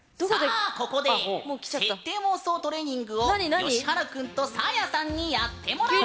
さあここで設定妄想トレーニングをよしはるくんとサーヤさんにやってもらおう！